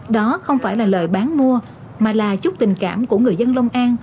đó không phải là lời bán mua mà là chúc tình cảm của người dân long an